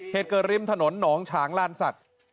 เหตุเกิดริมถนนหนองฉางลานสัตว์